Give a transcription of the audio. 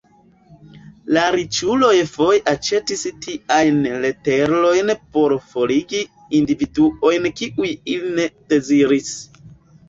La riĉuloj foje aĉetis tiajn leterojn por forigi individuojn kiujn ili ne deziris.